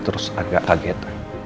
terus agak kaget